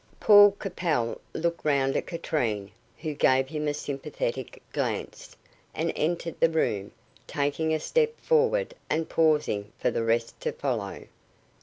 Paul Capel looked round at Katrine, who gave him a sympathetic glance, and entered the room, taking a step forward and pausing for the rest to follow.